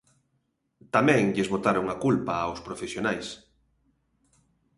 Tamén lles botaron a culpa aos profesionais.